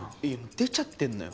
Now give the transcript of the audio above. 出ちゃってんのよ。